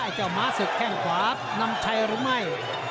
เจ้าม้าศึกแข้งขวานำชัยหรือไม่